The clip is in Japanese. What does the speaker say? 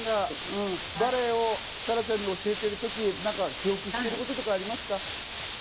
バレエを沙羅ちゃんに教えてる時、何か記憶してることありますか？